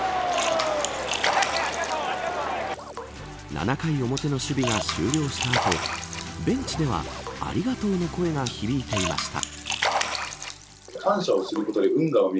７回表の守備が終了した後ベンチでは、ありがとうの声が響いていました。